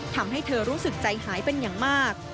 ทำให้เธอรู้สึกใจหายเป็นอย่างมาก